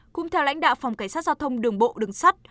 cũng theo lãnh đạo phòng cảnh sát giao thông đường bộ đường sắt